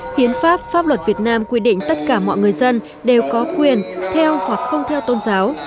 hiến pháp pháp luật việt nam quy định tất cả mọi người dân đều có quyền theo hoặc không theo tôn giáo